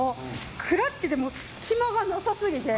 クラッチで隙間がなさすぎて。